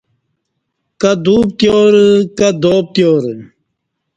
کہ دو پتیارہ کہ دا پتیارہ